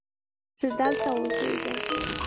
زه دلته اوسیږم.